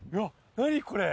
何これ！